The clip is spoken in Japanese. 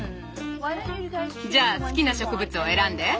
じゃあ好きな植物を選んで。